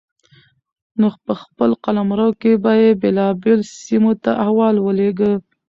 نو په خپل قلمرو کې به يې بېلابېلو سيمو ته احوال ولېږه